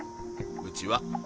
うちは。